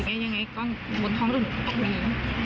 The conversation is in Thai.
ยังไงก็บนห้องตัวหนูออกมานี้